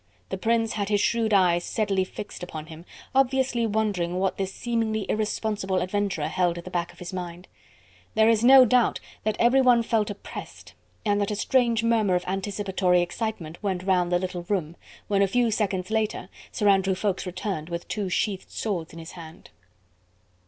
The Prince had his shrewd eyes steadily fixed upon him, obviously wondering what this seemingly irresponsible adventurer held at the back of his mind. There is no doubt that everyone felt oppressed, and that a strange murmur of anticipatory excitement went round the little room, when, a few seconds later, Sir Andrew Ffoulkes returned, with two sheathed swords in his hand.